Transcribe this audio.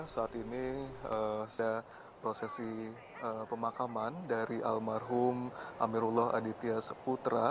saat ini prosesi pemakaman dari almarhum amirullah aditya seputra